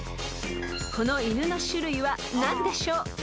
［この犬の種類は何でしょう？］